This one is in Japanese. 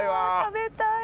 食べたい。